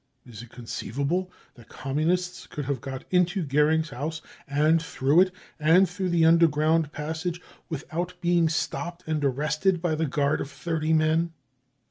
Is it conceivable that Communists could have got into Goering's house and through it and through the under ground passage, without being stopped and arrested by the guard of 30 men